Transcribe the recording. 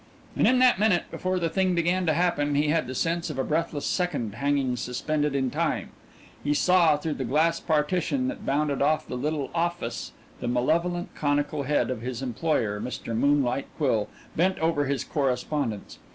And in that minute before the thing began to happen he had the sense of a breathless second hanging suspended in time: he saw through the glass partition that bounded off the little office the malevolent conical head of his employer, Mr. Moonlight Quill, bent over his correspondence.